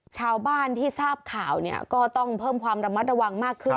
ชาวบ้านที่ทราบข่าวเนี่ยก็ต้องเพิ่มความระมัดระวังมากขึ้น